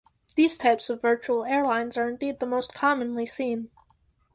These types of virtual airlines are indeed the most commonly seen.